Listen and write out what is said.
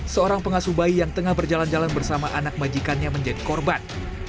seorang pengasuh bayi yang tengah berjalan jalan bersama anak majikannya menjadi korban